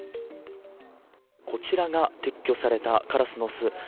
こちらが撤去されたカラスの巣。